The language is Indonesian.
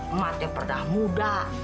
emak teh pernah muda